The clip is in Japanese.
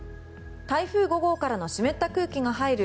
台風５号からの湿った空気が入る